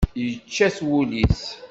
Yečča-t wul-is.